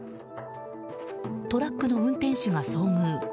トラックの運転手が遭遇。